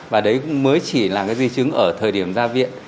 và đấy cũng mới chỉ là cái di chứng ở thời điểm ra viện